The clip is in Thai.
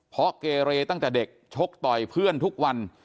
เพราะเกเรตั้งแต่เด็กชกต่อยเพื่อนทุกวัน